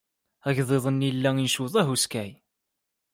Agḍiḍ-nni ila incew d ahuskay.